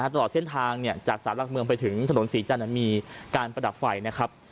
ตลอดเส้นทางจากสารหลักเมืองไปถึงถนนศรีจันทร์มีการประดับไฟนะครับ